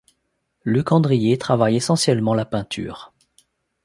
Luc Andrié travaille essentiellement la peinture.